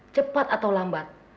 cepat atau lambat